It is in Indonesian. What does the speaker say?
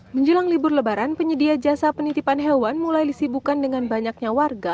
menjelang libur lebaran penyedia jasa penitipan hewan mulai disibukan dengan banyaknya warga